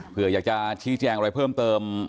เพื่ออยากจะชี้แจงอะไรเพิ่มเติม